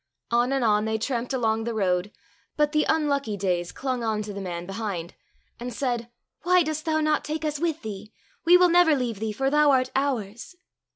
On and on they tramped along the road, but the Unlucky Days clung on to the man behind, and said, *' Why dost thou not take us with thee ? We will never leave thee, for thou art ours